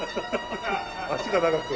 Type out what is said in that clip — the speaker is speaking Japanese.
足が長く。